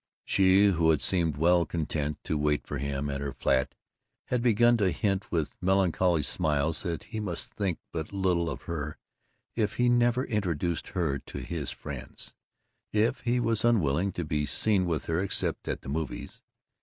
She who had seemed well content to wait for him at her flat had begun to hint with melancholy smiles that he must think but little of her if he never introduced her to his friends, if he was unwilling to be seen with her except at the movies.